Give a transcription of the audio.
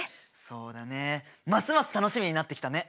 そうだねますます楽しみになってきたね！